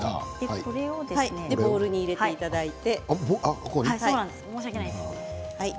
それをボウルに入れていただいて。